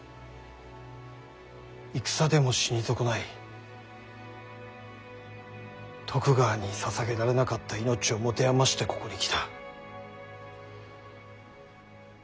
戦でも死に損ない徳川にささげられなかった命を持て余してここに来た。